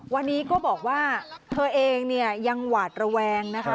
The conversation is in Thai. วันนี้ก็บอกว่าเธอเองเนี่ยยังหวาดระแวงนะคะ